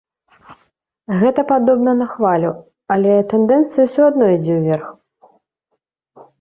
Гэта падобна на хвалю, але тэндэнцыя ўсё адно ідзе ўверх.